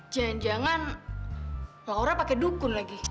jangan jangan laura pakai dukun lagi